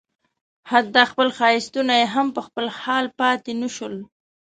حتی خپل ښایستونه یې هم په خپل حال پاتې نه شول.